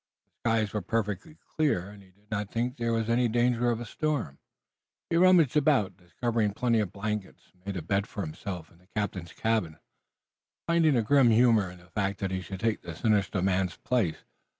The skies were perfectly clear, and he did not think there was any danger of a storm. He rummaged about, discovered plenty of blankets and made a bed for himself in the captain's cabin, finding a grim humor in the fact that he should take that sinister man's place.